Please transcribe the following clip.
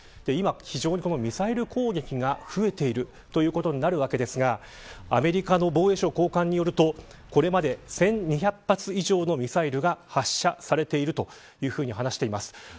今、非常にミサイル攻撃が増えているということになるわけですがアメリカの防衛省高官によるとこれまで１２００発以上のミサイルが発射されているというふうに話しています。